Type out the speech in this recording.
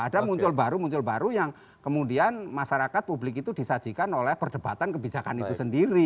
ada muncul baru muncul baru yang kemudian masyarakat publik itu disajikan oleh perdebatan kebijakan itu sendiri